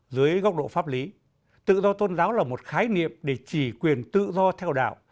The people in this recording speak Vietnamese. dưới góc độ pháp lý tự do tôn giáo là một khái niệm để chỉ quyền tự do theo đạo